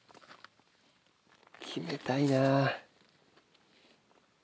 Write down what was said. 決めたいな。